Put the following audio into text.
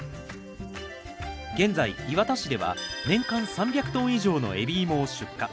現在磐田市では年間３００トン以上の海老芋を出荷。